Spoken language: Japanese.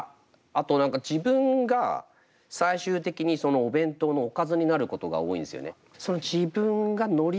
あと自分が最終的にそのお弁当のおかずになることが多いんですよね。